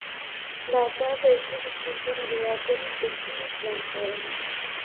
La atako estigis fortan reagon de ĉiuj flankoj.